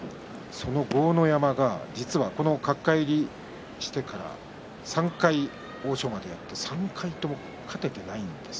その豪ノ山は角界入りしてから３回欧勝馬とやって３回とも勝てていないんです。